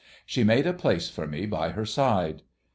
She made a place for me by her side.